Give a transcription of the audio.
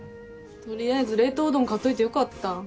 取りあえず冷凍うどん買っといてよかった。